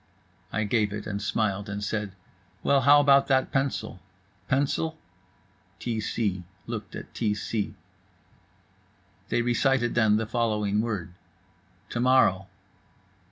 I gave it, smiled and said: "Well, how about that pencil?" "Pencil?" T c looked at T c. They recited then the following word: "To morrow."